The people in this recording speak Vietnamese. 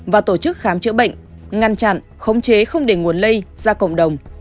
và tổ chức khám chữa bệnh ngăn chặn khống chế không để nguồn lây ra cộng đồng